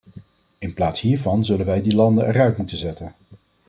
In plaats hiervan zullen wij die landen eruit moeten zetten.